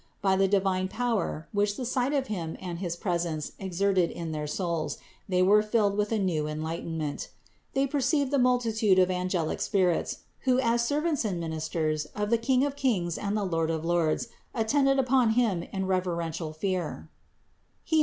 By the divine power, which the sight of Him and his presence exerted in their souls, they were filled with new enlight enment. They perceived the multitude of angelic spirits, who as servants and ministers of the King of kings and Lord of lords attended upon Him in reverential fear (Heb.